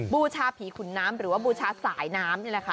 บูชาผีขุนน้ำหรือว่าบูชาสายน้ำนี่แหละค่ะ